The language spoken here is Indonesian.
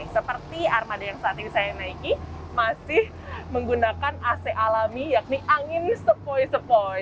seperti armada yang saat ini saya naiki masih menggunakan ac alami yakni angin sepoi sepoi